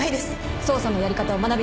「捜査のやり方を学びます」